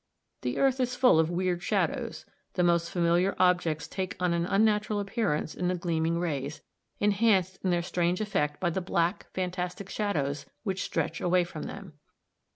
The earth is full of weird shadows; the most familiar objects take on an unnatural appearance in the gleaming rays, enhanced in their strange effect by the black, fantastic shadows which stretch away from them.